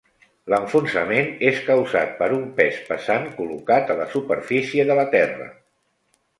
L'enfonsament és causat per un pes pesant col·locat a la superfície de la Terra.